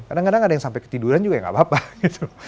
kadang kadang ada yang sampai ketiduran juga ya nggak apa apa gitu